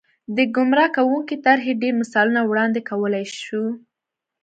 د ګمراه کوونکې طرحې ډېر مثالونه وړاندې کولای شو.